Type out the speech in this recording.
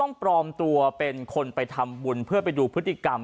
ต้องพรอมตัวเป็นคนไปทำบุญเพื่อไปมองการพฤติกรรม